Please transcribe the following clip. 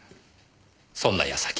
そんな矢先。